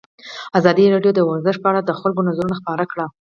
ازادي راډیو د ورزش په اړه د خلکو نظرونه خپاره کړي.